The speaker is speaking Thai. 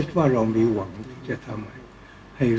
ก็ต้องทำอย่างที่บอกว่าช่องคุณวิชากำลังทำอยู่นั่นนะครับ